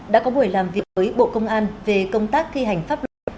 đã có buổi làm việc với bộ công an về công tác thi hành pháp luật